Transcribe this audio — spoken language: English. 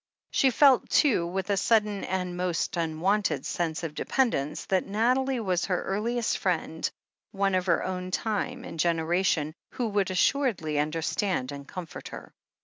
She felt, too, with a sudden and most unwonted sense of dependence, that Nathalie was her earliest friend, one of her own time and generation, who would assuredly understand and comfort her.